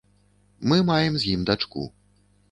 Мы маем з ім дачку.